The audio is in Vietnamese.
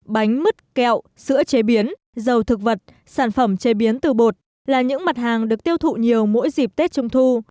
bánh mứt kẹo sữa chế biến dầu thực vật sản phẩm chế biến từ bột là những mặt hàng được tiêu thụ nhiều mỗi dịp tết trung thu